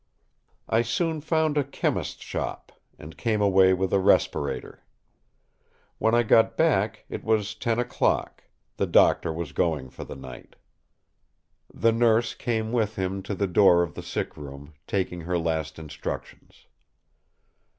I soon found a chemist's shop, and came away with a respirator. When I got back, it was ten o'clock; the Doctor was going for the night. The Nurse came with him to the door of the sick room, taking her last instructions.